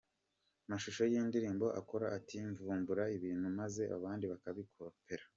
mashusho yindirimbo akora ati Mvumbura ibintu maze abandi bagakopera.